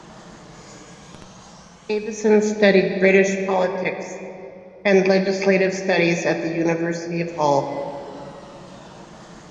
Davison studied British Politics and Legislative Studies at the University of Hull.